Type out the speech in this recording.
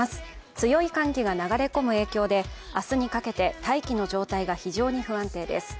強い寒気が流れ込む影響で明日にかけて大気の状態が非常に不安定です。